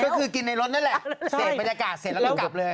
ก็คือกินในรถนั่นแหละเสพบรรยากาศเสร็จแล้วก็กลับเลย